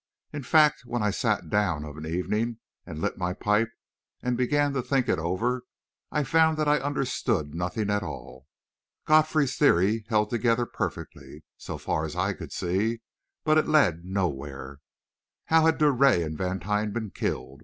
In fact, when I sat down of an evening and lit my pipe and began to think it over, I found that I understood nothing at all. Godfrey's theory held together perfectly, so far as I could see, but it led nowhere. How had Drouet and Vantine been killed?